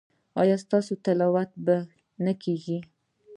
ایا ستاسو تلاوت به نه کیږي؟